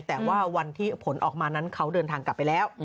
แต่ว่าวันที่ผลออกมานั้นเขาเดินทางกลับไปแล้ว